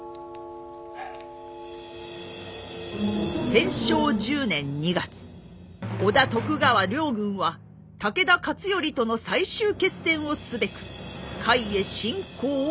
天正１０年２月織田徳川両軍は武田勝頼との最終決戦をすべく甲斐へ侵攻を開始。